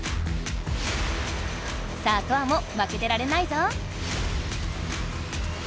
さあトアもまけてられないぞ！